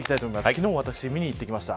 昨日も私、見に行ってきました。